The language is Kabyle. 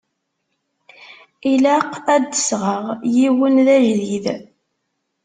Ilaq ad d-sɣeɣ yiwen d ajdid.